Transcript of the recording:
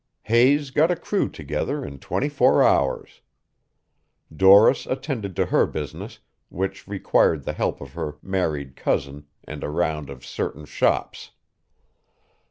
Hayes got a crew together in twenty four hours. Doris attended to her business, which required the help of her married cousin and a round of certain shops.